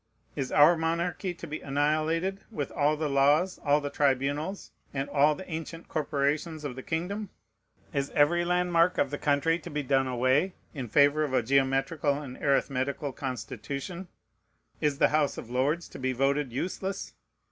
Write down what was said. Is our monarchy to be annihilated, with all the laws, all the tribunals, and all the ancient corporations of the kingdom? Is every landmark of the country to be done away in favor of a geometrical and arithmetical constitution? Is the House of Lords to be voted useless?